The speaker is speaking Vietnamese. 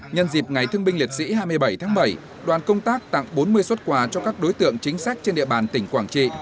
nhân dịp ngày thương binh liệt sĩ hai mươi bảy tháng bảy đoàn công tác tặng bốn mươi xuất quà cho các đối tượng chính sách trên địa bàn tỉnh quảng trị